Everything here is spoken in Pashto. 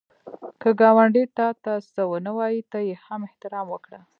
که ګاونډی تا ته څه ونه وايي، ته یې هم احترام وکړه